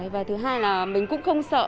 và thứ hai là mình cũng không sợ